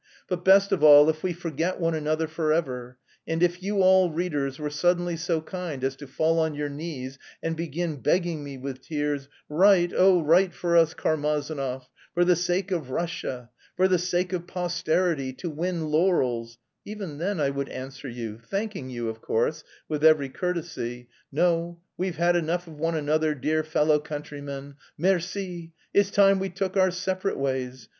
But best of all if we forget one another forever. And if you all, readers, were suddenly so kind as to fall on your knees and begin begging me with tears, 'Write, oh, write for us, Karmazinov for the sake of Russia, for the sake of posterity, to win laurels,' even then I would answer you, thanking you, of course, with every courtesy, 'No, we've had enough of one another, dear fellow countrymen, merci! It's time we took our separate ways!'